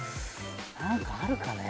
何かあるかね。